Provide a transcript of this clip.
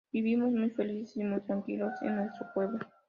Vivimos muy felices y muy tranquilos en nuestro pueblo.